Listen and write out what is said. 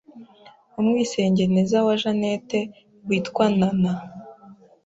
Umwisengeneza wa Jeannette witwa Nana